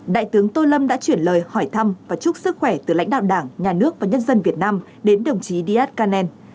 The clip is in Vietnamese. đại tướng tô lâm đã chuyển lời hỏi thăm và chúc sức khỏe từ lãnh đạo đảng nhà nước và nhân dân việt nam đến đồng chí díaz canel